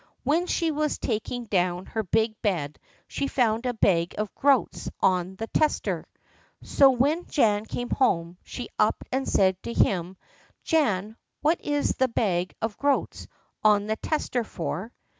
When she was taking down her big bed she found a bag of groats on the tester. So when Jan came home, she up and said to him: "Jan, what is that bag of groats on the tester for?"